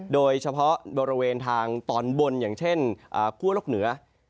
โดยเฉพาะบริเวณทางตอนบนอย่างเช่นคั่วโลกเหนือ